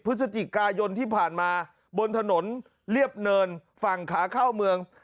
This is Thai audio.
พฤศจิกายนที่ผ่านมาบนถนนเรียบเนินฝั่งขาเข้าเมือง